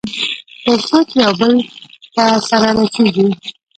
تر څو چې يوبل ته سره رسېږي.